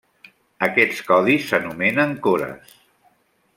Aquests codis s'anomenen cores.